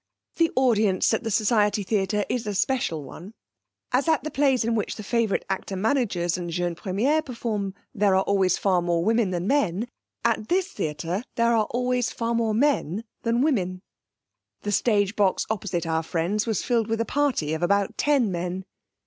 The audience at the Society Theatre is a special one; as at the plays in which the favourite actor managers and jeunes premiers perform there are always far more women than men, at this theatre there are always far more men than women. The stage box opposite our friends was filled with a party of about ten men.